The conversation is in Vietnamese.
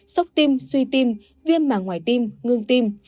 sốc tim suy tim viêm màng ngoài tim ngưng tim